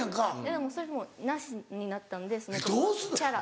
でもそれもうなしになったんでその人とはチャラ。